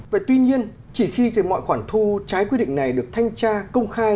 vậy tuy nhiên chỉ khi thì mọi khoản thu trái quy định này được thanh tra công khai